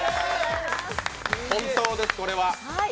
本当です、これは。